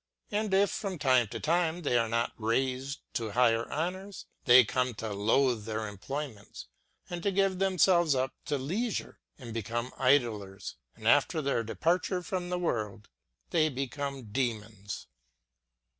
And if from time to time they are not raised to higher honors, they come to loathe their employments, and give themselves up to leisure and become idlers; and after their departure from the world they become demons. USEFUL DIVERSIONS.